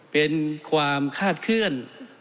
เป็นความคาดเคลื่อน